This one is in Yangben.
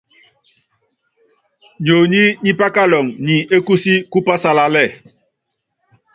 Nyonyí nyí pákaluŋo nyi ékúúsí kú pásalálɛ́.